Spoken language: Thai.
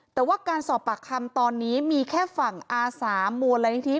แต่ว่าการสอบปากคำตอนนี้มีแค่ฝั่งอาสามูลนิธิ